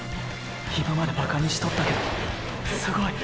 今までバカにしとったけどすごい！